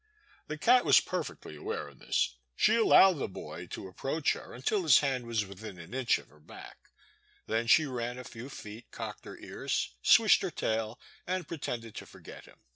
The cat was per fectly aware of this; she allowed the boy to ap The Boy's Sister. 259 proach her until his hand was within an inch of her back; then she ran a few feet, cocked her ears, switched her tail, and pretended to forget him.